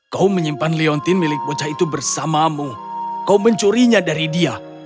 kau menyimpan leontin milik bocah itu bersamamu kau mencurinya dari dia